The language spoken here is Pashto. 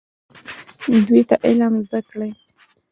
دوی ته علم زده کړئ